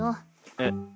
えっ？